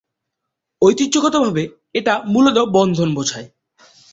ঐতিহ্যগতভাবে, এটা মূলত বন্ধন বোঝায়।